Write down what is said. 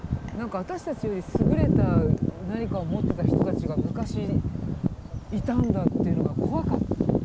私たちより優れた何かを持ってた人たちが昔いたんだっていうのが怖かった。